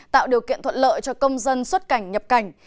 tạo điều kiện thuận lợi cho công dân xuất cảnh nhập cảnh